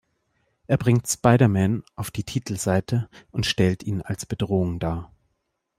Er bringt Spider-Man auf die Titelseite und stellt ihn als Bedrohung dar.